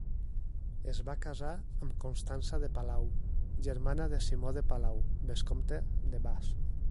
Es va casar amb Constança de Palau, germana de Simó de Palau, vescomte de Bas.